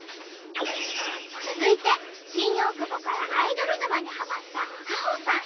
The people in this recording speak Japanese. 続いて新大久保からアイドル沼にハマった香穂さん